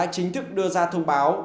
chính thức đưa ra thông báo